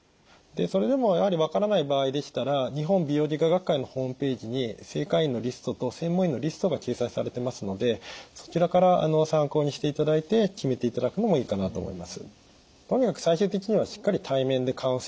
でそれでもやはり分からない場合でしたら日本美容外科学会のホームページに正会員のリストと専門医のリストが掲載されてますのでそちらから参考にしていただいて決めていただくのもいいかなと思います。